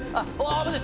危ない。